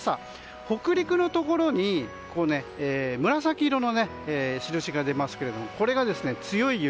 北陸のところに紫色の印が出ますけどこれが強い雪。